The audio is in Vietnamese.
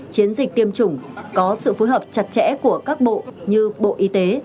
chiến dịch tiêm chủng có sự phối hợp chặt chẽ của các bộ như bộ y tế